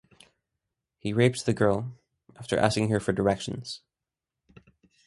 He raped the girl after asking her for directions.